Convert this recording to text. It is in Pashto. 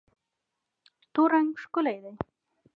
تور رنګ ښکلی دی.